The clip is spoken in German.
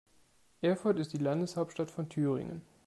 Erfurt ist die Landeshauptstadt von Thüringen.